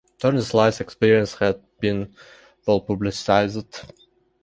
Tierney's life experience had been well-publicized.